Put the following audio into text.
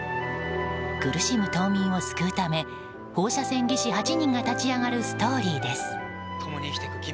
苦しむ島民を救うため放射線技師８人が立ち上がるストーリーです。